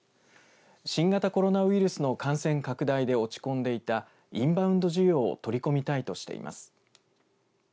新型コロナウイルスの感染拡大で落ち込んでいたインバウンド需要を取り込みたいとしています。